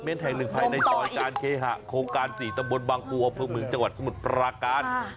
เม้นแทงหนึ่งภายในสวยการเคหาโครงการ๔ตำบลวังครัวภบมือจังหวัดสมุดประการ